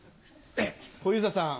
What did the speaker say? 小遊三さん